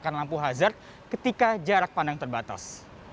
tidak boleh menyalahkan lampu hazard ketika jarak pandang terbatas